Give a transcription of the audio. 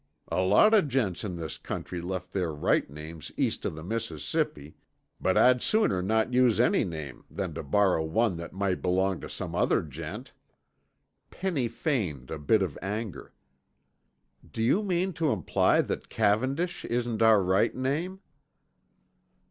"A lot o' gents in this country left their right names east of the Mississippi, but I'd sooner not use any name than tuh borrow one that might belong tuh some other gent." Penny feigned a bit of anger. "Do you mean to imply that Cavendish isn't our right name?"